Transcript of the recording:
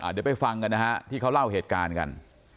เดี๋ยวไปฟังกันนะฮะที่เขาเล่าเหตุการณ์กัน